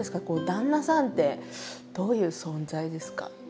旦那さんってどういう存在ですか？